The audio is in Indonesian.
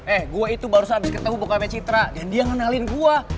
eh gua itu baru abis ketemu bokapnya citra dan dia ngenalin gua